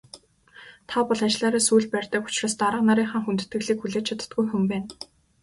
Та бол ажлаараа сүүл барьдаг учраас дарга нарынхаа хүндэтгэлийг хүлээж чаддаггүй хүн байна.